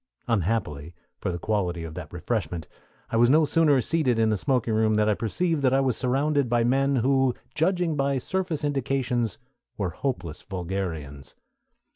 Unhappily for the quality of that refreshment, I was no sooner seated in the smoking room that I perceived that I was surrounded by men who, judging by surface indications, were hopeless vulgarians.